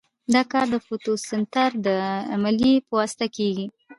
دا کار د فوتو سنتیز د عملیې په واسطه کیږي.